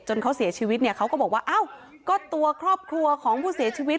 เขาเสียชีวิตเนี่ยเขาก็บอกว่าอ้าวก็ตัวครอบครัวของผู้เสียชีวิต